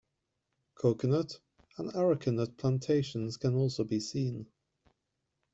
Coconut and Arecanut plantations can also be seen.